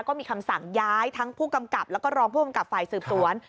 ก็มีคำสั่งย้ายทั้งผู้กำกับแล้วก็รองผู้กำกับฝ่ายสืบสวน